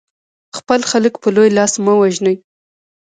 خپل خلک په لوی لاس مه وژنئ.